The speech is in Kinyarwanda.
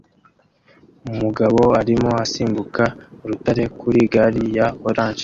Umugabo arimo asimbuka urutare kuri gare ya orange